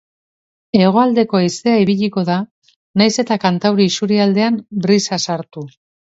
Hegoaldeko haizea ibiliko da, nahiz eta kantauri isurialdean brisa sartu.